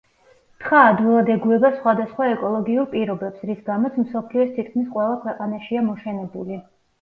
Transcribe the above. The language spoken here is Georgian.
თხა ადვილად ეგუება სხვადასხვა ეკოლოგიურ პირობებს, რის გამოც მსოფლიოს თითქმის ყველა ქვეყანაშია მოშენებული.